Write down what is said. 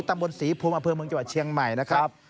ตำบลศรีภูมิอเผือเมืองเมืองเจียงใหม่นะครับ